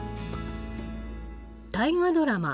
大河ドラマ